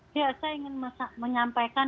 saya ingin menyampaikan